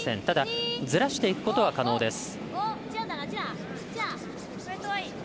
ただずらしていくことは可能です。